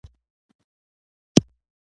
ده وخندل، چاودلې شونډې یې وخوځېدې.